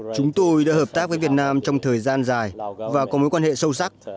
chúng tôi đã hợp tác với việt nam trong thời gian dài và có mối quan hệ sâu sắc